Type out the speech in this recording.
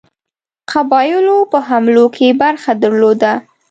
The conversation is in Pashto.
قبایلو په حملو کې برخه درلوده.